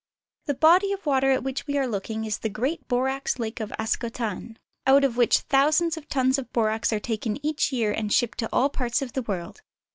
The body of water at which we are looking is the great borax lake of Ascotan^, out of which thousands of tons of borax are taken each year and shipped to all parts of the world.